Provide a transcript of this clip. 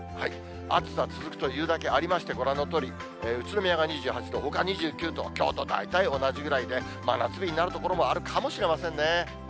暑さ続くというだけありまして、ご覧のとおり、宇都宮が２８度、ほか２９度、きょうと大体同じぐらいで、真夏日になる所もあるかもしれませんね。